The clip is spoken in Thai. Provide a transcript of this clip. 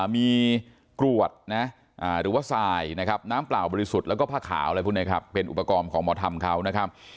มีกรวดนะหรือว่าทรายนะครับน้ำเปล่าบริสุทธิ์แล้วก็ผ้าขาวอะไรพวกนี้ครับเป็นอุปกรณ์ของหมอธรรมเขานะครับ